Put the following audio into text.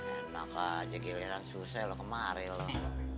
enak aja giliran susah loh kemarin